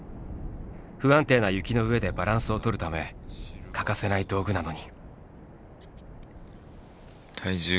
不安定な雪の上でバランスをとるため欠かせない道具なのに。